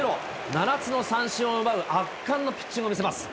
７つの三振を奪う圧巻のピッチングを見せます。